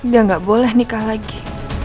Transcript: dia nggak boleh nikah lagi